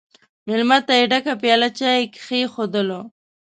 مېلمه ته یې ډکه پیاله چای کښېښودله!